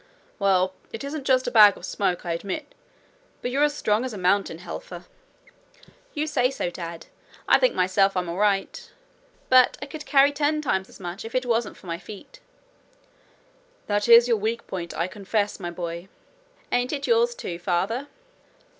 'Well, it isn't just a bag of smoke, I admit. But you're as strong as a mountain, Helfer.' 'You say so, dad. I think myself I'm all right. But I could carry ten times as much if it wasn't for my feet.' 'That is your weak point, I confess, my boy.' 'Ain't it yours too, father?'